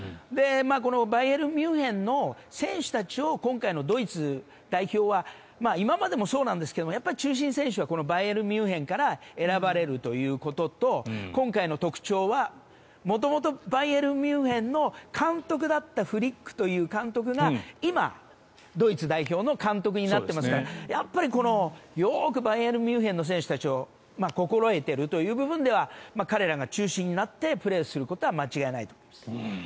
このバイエルン・ミュンヘンの選手たちを今回のドイツ代表は今までもそうなんですけどやっぱり中心選手はバイエルン・ミュンヘンから選ばれるということと今回の特徴は元々バイエルン・ミュンヘンの監督だったフリックという監督が今、ドイツ代表の監督になっていますからやっぱり、よくバイエルン・ミュンヘンの選手たちを心得ているという部分では彼らが中心になってプレーすることは間違いないと思います。